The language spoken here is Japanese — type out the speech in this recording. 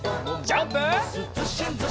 ジャンプ！